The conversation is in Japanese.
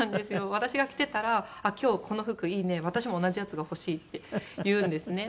私が着てたら「あっ今日この服いいね。私も同じやつが欲しい」って言うんですね。